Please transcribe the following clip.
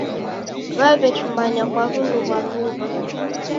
W'aw'echumbana kwa wundu ghwa mbuw'a